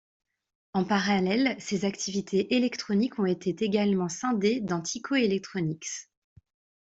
En parallèle, ses activités électroniques ont été également scindées dans Tyco Electronics.